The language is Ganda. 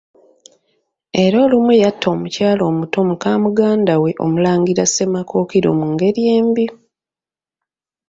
Era olumu yatta omukyala omuto muka muganda we Omulangira Ssemakookiro mu ngeri embi.